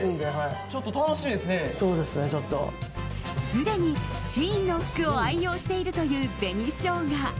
すでにＳＨＥＩＮの服を愛用しているという紅しょうが。